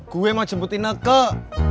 gue mau jemputin nekel